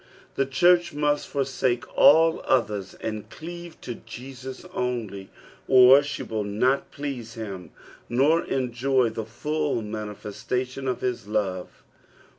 The church must forsake all others and cleave to Jesus only, or she will not please him nor enjoy the full manifestation of his love.